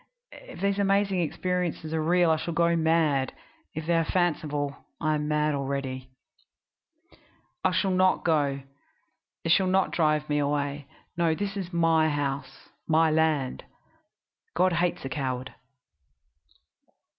If these amazing experiences are real I shall go mad; if they are fanciful I am mad already. "Oct. 3. I shall not go it shall not drive me away. No, this is my house, my land. God hates a coward....